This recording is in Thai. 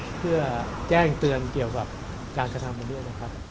เพื่อแจ้งเตือนเกี่ยวกับการกระทำกันด้วยนะครับ